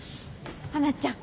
華ちゃん。